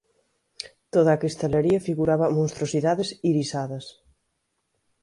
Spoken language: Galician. Toda a cristalería figuraba monstruosidades irisadas.